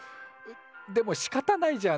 でもしかたないじゃん。